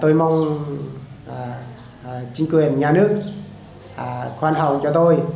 tôi mong chính quyền nhà nước khoan hồng cho tôi